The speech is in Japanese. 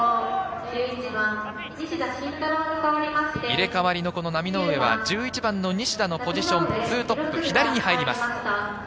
入れ代わりの浪上は１１番の西田のポジション、２トップ左に入ります。